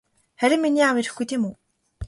Харин миний аав ирэхгүй тийм үү?